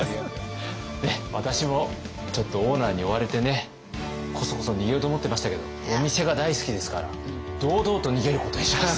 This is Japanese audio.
私もちょっとオーナーに追われてねこそこそ逃げようと思ってましたけどお店が大好きですから堂々と逃げることにします。